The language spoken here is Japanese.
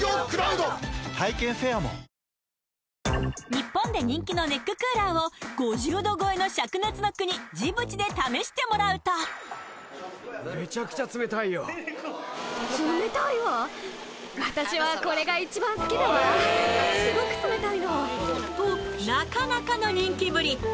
日本で人気のネッククーラーを５０℃超えの灼熱の国となかなかの人気ぶり